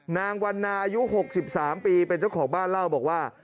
นางวันนาอายุ๖๓ปีเป็นเจ้าของบ้านเล่าบอกว่า